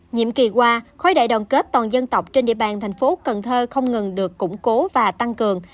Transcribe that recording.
nhiệm kỳ qua khói đại đoàn kết toàn dân tộc trên địa bàn thành phố cần thơ không ngừng được củng cố và tăng cường